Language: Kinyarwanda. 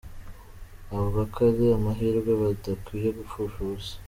Avuga ko ari amahirwe badakwiye gupfusha ubusa.